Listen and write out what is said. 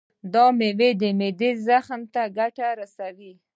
دا میوه د معدې زخم ته ګټه رسوي.